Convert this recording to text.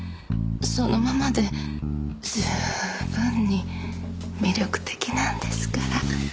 そのままで十分に魅力的なんですから。